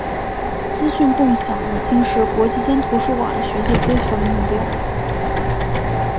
资讯共享已经是国际间图书馆学界追求的目标。